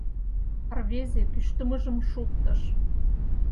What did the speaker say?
Рвезе кӱштымыжым шуктыш.